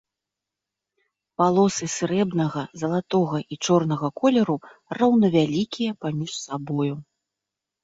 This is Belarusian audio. Палосы срэбнага, залатога і чорнага колеру роўнавялікія паміж сабою.